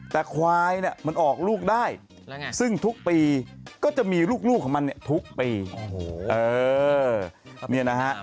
แต่ควายเนี่ยมันออกลูกได้ซึ่งทุกปีก็จะมีลูกของมันเนี่ยทุกปี